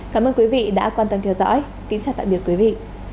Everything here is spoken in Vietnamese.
cảm ơn quý vị đã quan tâm theo dõi kính chào tạm biệt quý vị